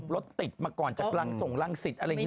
รถติดมาก่อนจากรังส่งรังสิตอะไรอย่างนี้